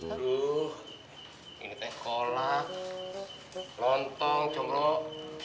aduh ini teh kolak lontong congrok